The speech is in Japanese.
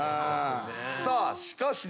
さあしかし